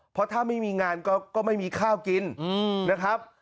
เพราะถ้าไม่มีงานก็ไม่มีข้าวกินนะครับ